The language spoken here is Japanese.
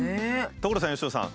所さん佳乃さん。